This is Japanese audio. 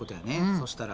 そしたら。